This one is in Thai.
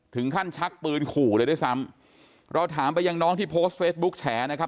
ชักปืนขู่เลยด้วยซ้ำเราถามไปยังน้องที่โพสต์เฟซบุ๊กแฉนะครับ